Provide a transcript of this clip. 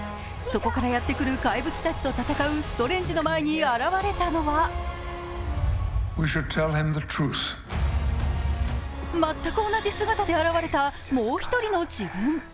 そこからやってくる怪物たちと戦うストレンジの前に現れたのは全く同じ姿で現れた、もう１人の自分。